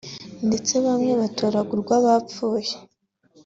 ndetse bamwe batoragurwa bapfuye